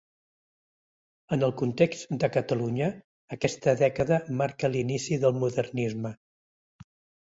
En el context de Catalunya, aquesta dècada marca l'inici del modernisme.